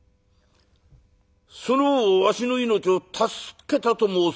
その方はわしの命を助けたと申すのか？」。